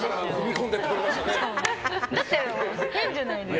だって変じゃないですか。